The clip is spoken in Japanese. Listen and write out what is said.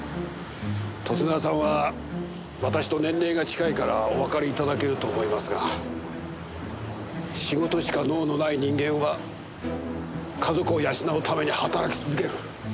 十津川さんは私と年齢が近いからおわかり頂けると思いますが仕事しか能のない人間は家族を養うために働き続ける。